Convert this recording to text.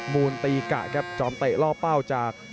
มูลตีกะครับจอมเตะล่อเป้าจาก